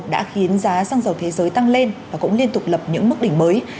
đã khiến giá xăng dầu thế giới tăng lên và cũng liên tục lập những mức đỉnh mới